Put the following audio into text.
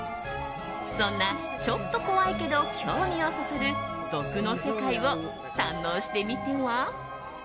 そんなちょっと怖いけど興味をそそる毒の世界を堪能してみては。